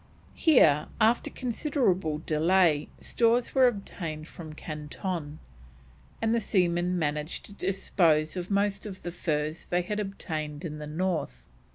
Here, after considerable delay, stores were obtained from Canton, and the seaman managed to dispose of most of the furs they had obtained in the north.